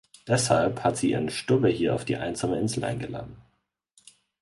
Deshalb hat sie ihren Stubbe hier auf die einsame Insel eingeladen.